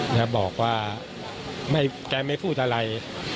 เนี่ยบอกว่าแกไม่พูดอะไร